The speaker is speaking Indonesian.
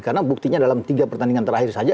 karena buktinya dalam tiga pertandingan terakhir saja